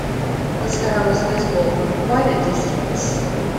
The scar was visible from quite a distance.